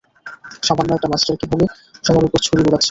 সামান্য একটা মাস্টার কীভাবে সবার ওপর ছড়ি ঘোরাচ্ছে?